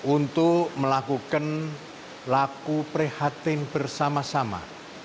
untuk melakukan laku prihatin bersama sama